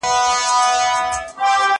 زه بايد کتابتون پاک کړم!